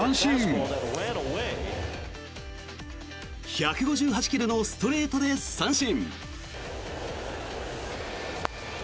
１５８ｋｍのストレートで三振。